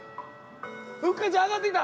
ふっかちゃん上がってきた。